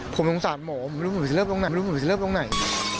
ผมต้องสารหมอไม่รู้ว่าจะเลิกตรงไหน